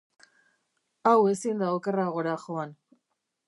Hau ezin da okerragora joan.